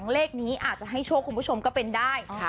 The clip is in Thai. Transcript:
เลขนี้อาจจะให้โชคคุณผู้ชมก็เป็นได้